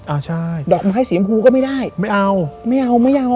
อ่าใช่ดอกไม้สีชมพูก็ไม่ได้ไม่เอาไม่เอาไม่เอา